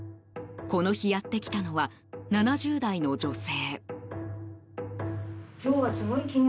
この日、やってきたのは７０代の女性。